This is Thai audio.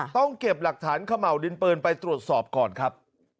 ต้องเก็บหลักฐานเขม่าวดินปืนไปตรวจสอบก่อนครับ